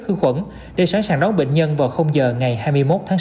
hư khuẩn để sẵn sàng đón bệnh nhân vào giờ ngày hai mươi một tháng sáu